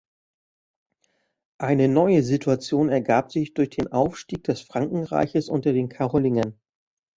Eine neue Situation ergab sich durch den Aufstieg des Frankenreiches unter den Karolingern.